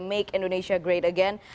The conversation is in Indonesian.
make indonesia great again